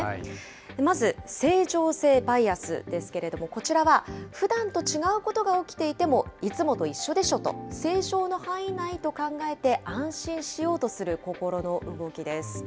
まず正常性バイアスですけれども、こちらはふだんと違うことが起きていても、いつもと一緒でしょと、正常の範囲内と考えて安心しようとする心の動きです。